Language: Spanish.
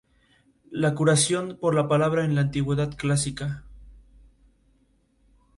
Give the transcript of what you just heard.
Actualmente esta sin equipo.